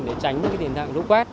để tránh những cái tình hình rũ quét